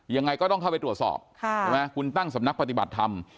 ยังไงก็ต้องเข้าไปตรวจสอบคุณตั้งสำนักปฏิบัติทำ